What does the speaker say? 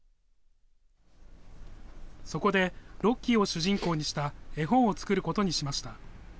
そこでロッキーを主人公にした絵本を作ることにしました。